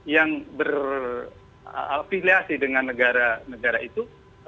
yang berafiliasi dengan negara negara itu